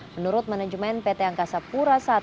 menurut manajemen pt angkasa pura i